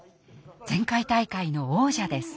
前回大会の王者です。